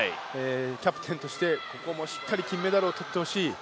キャプテンとして、ここもしっかり金メダルをとってほしい。